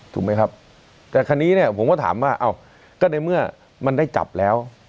ถูกไหมครับแต่คราวนี้เนี่ยผมก็ถามว่าอ้าวก็ในเมื่อมันได้จับแล้ว